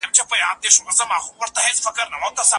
د پیر محمد کاروان لپاره ځانګړې ورځ نومول شوې ده.